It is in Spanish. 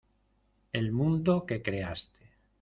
el mundo que creaste.